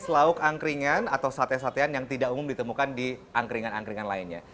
lauk angkringan atau sate satean yang tidak umum ditemukan di angkringan angkringan lainnya